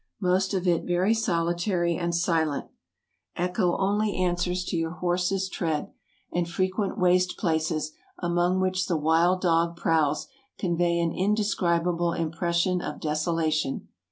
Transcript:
Most of it is very solitary and silent ; echo only answers to your horse's tread ; and frequent waste places, among which the wild dog prowls, convey an indescribable impression of desolation.